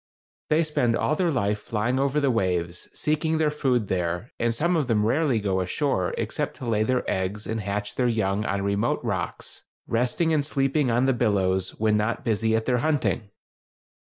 They spend all their life flying over the waves, seeking their food there, and some of them rarely go ashore, except to lay their eggs and hatch their young on remote rocks, resting and sleeping on the billows, when not busy at their hunting.